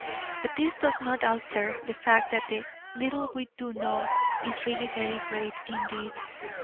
But this does not alter the fact that the little we do know is really very great indeed.